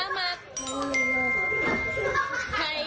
มินที่